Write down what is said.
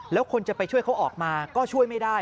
แล้วคนจะไปช่วยเขาออกมาก็ช่วยไม่ได้